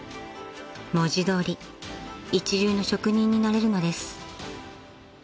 ［文字どおり一流の職人になれるのです］